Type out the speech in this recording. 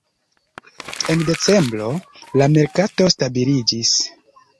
En decembro la merkato stabiliĝis.